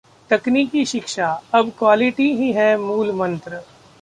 तकनीकी शिक्षा: अब क्वालिटी ही है मूल मंत्र